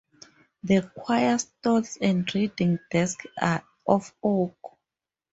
The choir stalls and reading desk are of oak.